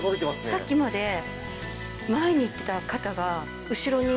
さっきまで前にいってた肩が後ろに。